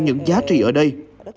những giá trị ở đây